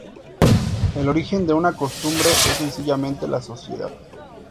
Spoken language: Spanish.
El origen de una costumbre es sencillamente la sociedad.